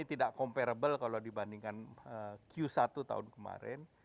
tidak comparable kalau dibandingkan q satu tahun kemarin